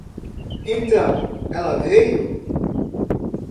Então ela veio.